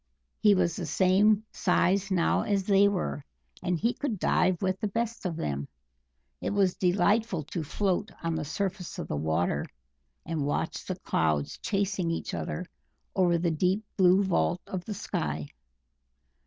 He was the same size now as they were, and could dive with the best of them; it was delightful to float on the surface of the water and watch the clouds chasing each other over the deep blue vault of the sky.